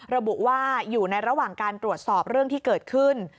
ระบุว่าอยู่ในระหว่างการตรวจสอบเรื่องที่เกิดขึ้น